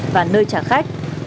và nơi trả khách